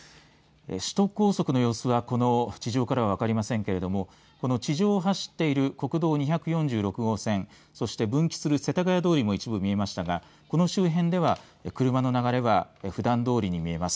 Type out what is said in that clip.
首都高速の様子はこの地上からは分かりませんけれどもこの地上を走っている国道２４６号線そして分岐する世田谷通りも一部見えましたが、この周辺では車の流れはふだんどおりに見えます。